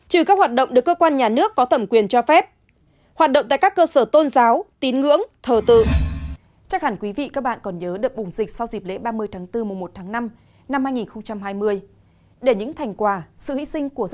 trừ các hoạt động được cơ quan nhà nước có thẩm quyền cho phép hoạt động tại các cơ sở tôn giáo tín ngưỡng thờ tự